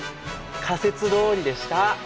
仮説どおりでした。